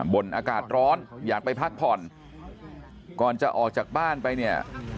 บ่นอากาศร้อนอยากไปพักผ่อนก่อนจะออกจากบ้านไปเนี่ย